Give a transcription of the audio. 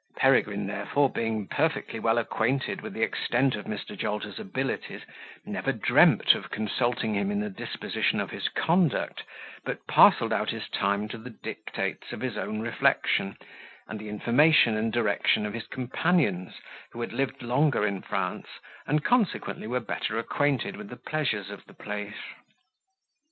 Peregrine, therefore, being perfectly well acquainted with the extent of Mr. Jolter's abilities, never dreamt of consulting him in the disposition of his conduct, but parcelled out his time to the dictates of his own reflection, and the information and direction of his companions, who had lived longer in France, and consequently were better acquainted with the pleasures of the place.